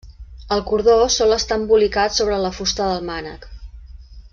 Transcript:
El cordó sol estar embolicat sobre la fusta del mànec.